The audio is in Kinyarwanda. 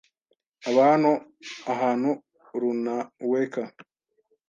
aba hano ahantu runaweka.